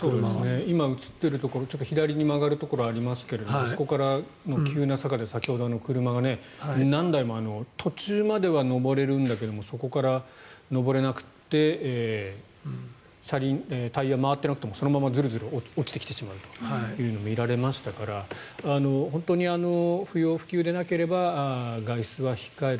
今、映っているところ左に曲がるところがありますがそこから急な坂で先ほども何台も車が途中までは上れるけどそこから上れなくてタイヤが回ってなくてそのままずるずる落ちてきてしまうというのが見られましたから本当に不要不急でなければ外出は控える。